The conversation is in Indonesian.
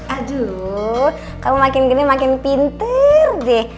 aduh kamu makin gini makin pintar deh